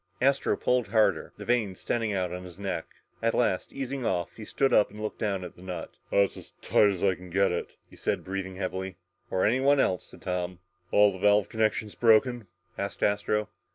Astro pulled harder. The veins standing out on his neck. At last, easing off, he stood up and looked down at the nut. "That's as tight as I can get it," he said, breathing heavily. "Or anyone else," said Tom. "All the valve connections broken?" asked Astro.